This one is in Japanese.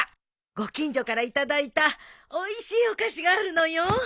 ご近所から頂いたおいしいお菓子があるのよ。